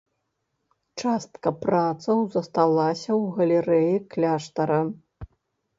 Частка працаў засталася ў галерэі кляштара.